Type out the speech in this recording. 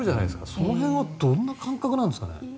その辺はどんな感覚ですかね。